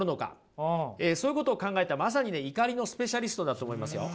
そういうことを考えたまさにね怒りのスペシャリストだと思いますよ。